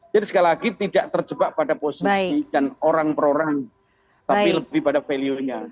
jadi sekali lagi tidak terjebak pada posisi dan orang per orang tapi lebih pada valuenya